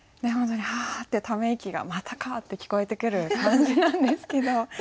本当に「はあ」ってため息が「またか」って聞こえてくる感じなんですけど